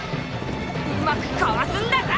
うまくかわすんだぞ！